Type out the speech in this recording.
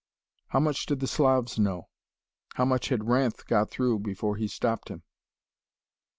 How much did the Slavs know? How much had Ranth got through before he stopped him?